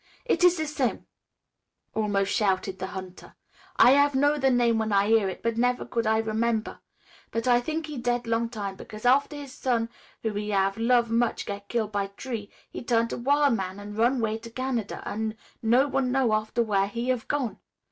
"It is the sam'," almost shouted the hunter. "I hav' know the name when I hear it, but never could I remember. But I think he dead long time, because after his son who he hav' love much get kill by tree, he turn to wil' man an' run 'way to Canada, an' no one know after where he hav' gone.